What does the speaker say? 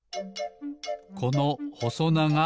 このほそながいはな。